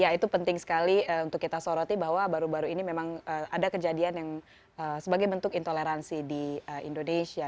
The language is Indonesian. ya itu penting sekali untuk kita soroti bahwa baru baru ini memang ada kejadian yang sebagai bentuk intoleransi di indonesia